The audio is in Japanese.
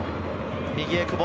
右へ久保。